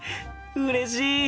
うれしい！